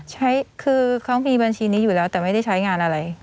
ใช้คือเขามีบัญชีนี้อยู่แล้วแต่ไม่ได้ใช้งานอะไร